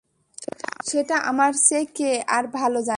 সেটা আমার চেয়ে কে আর ভালো জানে।